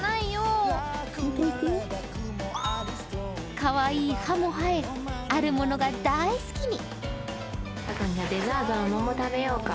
かわいい歯も生え、あるものが大好きに。